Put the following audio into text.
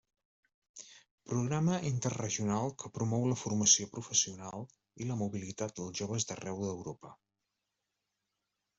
Programa interregional que promou la formació professional i la mobilitat dels joves d'arreu d'Europa.